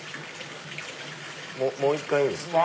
もう１回いいですか。